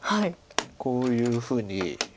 こういうふうに。